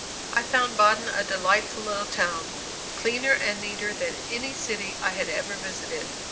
I found Baden a delightful little town, cleaner and neater than any city I had ever visited.